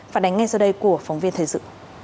phản ánh ngay sau đây của phóng viên thời sự